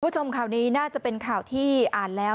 คุณผู้ชมข่าวนี้น่าจะเป็นข่าวที่อ่านแล้ว